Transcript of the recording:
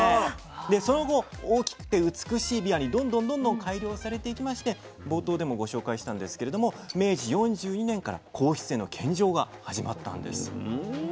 その後大きくて美しいびわにどんどんどんどん改良されていきまして冒頭でもご紹介したんですけれども明治４２年から皇室への献上が始まったんです。